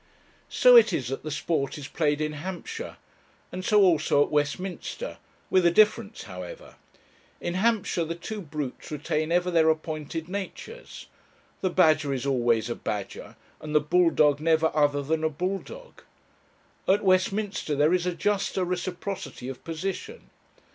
So it is that the sport is played in Hampshire; and so also at Westminster with a difference, however. In Hampshire the two brutes retain ever their appointed natures. The badger is always a badger, and the bull dog never other than a bull dog. At Westminster there is a juster reciprocity of position.